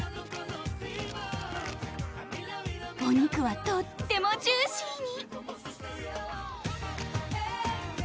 お肉はとってもジューシーに！